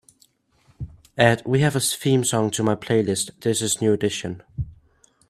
Add we have a theme song to my playlist This Is New Edition